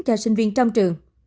cho sinh viên trong trường